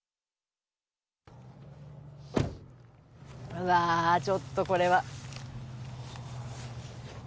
うわー、ちょっとこれは。